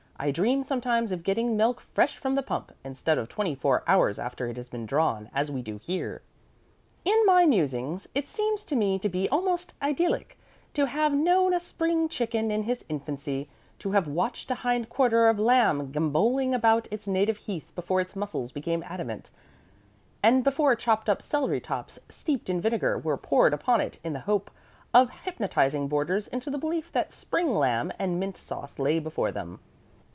I dream sometimes of getting milk fresh from the pump, instead of twenty four hours after it has been drawn, as we do here. In my musings it seems to me to be almost idyllic to have known a spring chicken in his infancy; to have watched a hind quarter of lamb gambolling about its native heath before its muscles became adamant, and before chopped up celery tops steeped in vinegar were poured upon it in the hope of hypnotizing boarders into the belief that spring lamb and mint sauce lay before them.